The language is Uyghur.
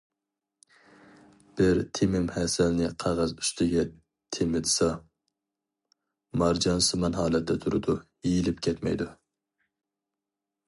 بىر تېمىم ھەسەلنى قەغەز ئۈستىگە تېمىتسا مارجانسىمان ھالەتتە تۇرىدۇ، يېيىلىپ كەتمەيدۇ.